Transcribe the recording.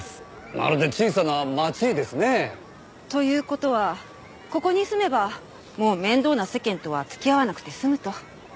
まるで小さな町ですね。という事はここに住めばもう面倒な世間とは付き合わなくて済むと？